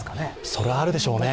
それはあるでしょうね。